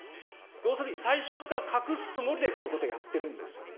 要するに、最初から隠すつもりで、こういうことをやってるんです。